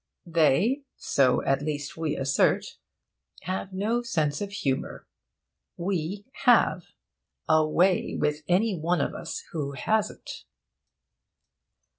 They (so, at least, we assert) have no sense of humour. We have. Away with any one of us who hasn't!